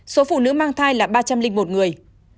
số phụ nữ mang thai là ba trăm linh một người